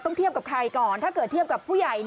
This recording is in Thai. เทียบกับใครก่อนถ้าเกิดเทียบกับผู้ใหญ่